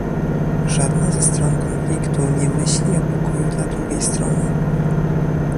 Żadna ze stron konfliktu nie myśli o pokoju dla drugiej strony